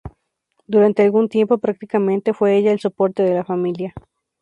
Durante algún tiempo, prácticamente fue ella el soporte de la familia.